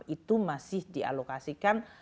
itu masih dialokasikan